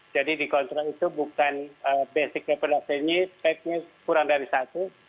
jadi dikontrol itu bukan basic levelnya spesimennya kurang dari satu